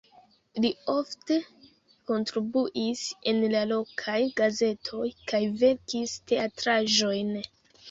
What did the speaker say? Li ofte kontribuis en la lokaj gazetoj kaj verkis teatraĵojn.